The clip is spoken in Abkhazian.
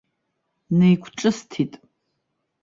Неиқәҿысҭит.